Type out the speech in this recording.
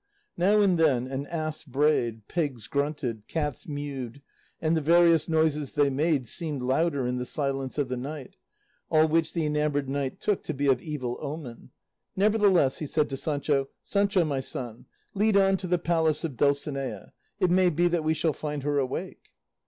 Now and then an ass brayed, pigs grunted, cats mewed, and the various noises they made seemed louder in the silence of the night; all which the enamoured knight took to be of evil omen; nevertheless he said to Sancho, "Sancho, my son, lead on to the palace of Dulcinea, it may be that we shall find her awake."